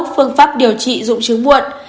sáu phương pháp điều trị dụng trứng muộn